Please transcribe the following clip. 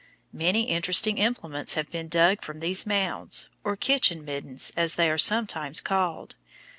Many interesting implements have been dug from these mounds, or kitchen middens as they are sometimes called.